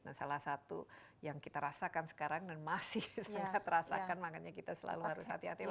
nah salah satu yang kita rasakan sekarang dan masih sangat rasakan makanya kita selalu harus hati hati